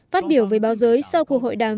phát biểu về báo giới sau cuộc hội đàm